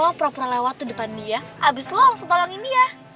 lo pura pura lewat tuh depan dia abis itu lo langsung tolongin dia